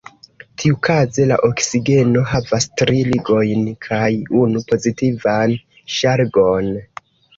Tiukaze, la oksigeno havas tri ligojn kaj unu pozitivan ŝargon.